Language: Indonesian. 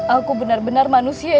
aku benar benar manusia